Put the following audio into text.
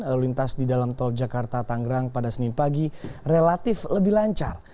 lalu lintas di dalam tol jakarta tanggerang pada senin pagi relatif lebih lancar